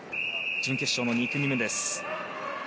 準決勝の２組目です。